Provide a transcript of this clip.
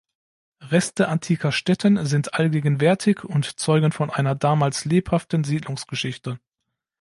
Reste antiker Stätten sind allgegenwärtig und zeugen von einer damals lebhaften Siedlungsgeschichte.